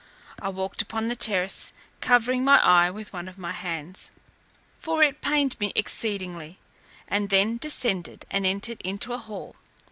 I walked upon the terrace, covering my eye with one of my hands, for it pained me exceedingly, and then descended, and entered into a hall.